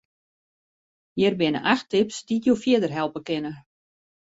Hjir binne acht tips dy't jo fierder helpe kinne.